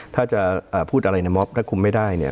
ถ้าจะพูดอะไรในม็อบถ้าคุมไม่ได้เนี่ย